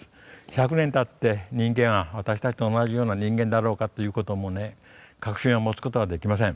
１００年たって人間は私たちと同じような人間だろうかということもね確信を持つことができません。